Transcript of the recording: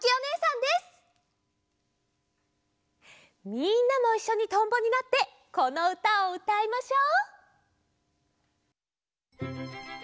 みんなもいっしょにとんぼになってこのうたをうたいましょう！